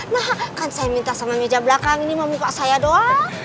nah kan saya minta sama meja belakang ini mau buka saya doang